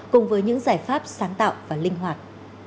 cùng với những giải pháp sáng tạo và linh hoạt